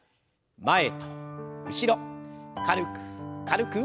前と後ろ軽く軽く。